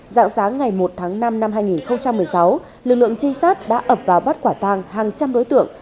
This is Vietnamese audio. dạng sáng ngày một tháng năm năm hai nghìn một mươi sáu lực lượng trinh sát đã ập vào bắt quả tang hàng trăm đối tượng